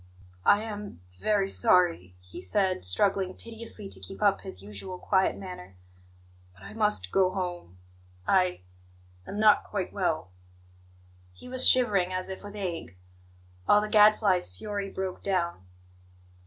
"I am very sorry," he said, struggling piteously to keep up his usual quiet manner, "but I must go home. I am not quite well." He was shivering as if with ague. All the Gadfly's fury broke down.